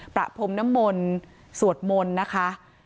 ประพรมน้ำมนต์สวดมนต์นะคะ